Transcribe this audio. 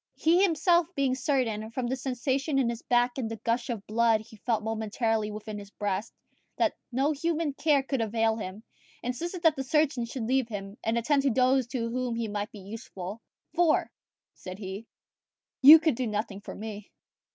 He himself being certain, from the sensation in his back and the gush of blood he felt momently within his breast, that no human care could avail him, insisted that the surgeon should leave him and attend to those to whom he might be useful; "for," said he, "you can do nothing for me."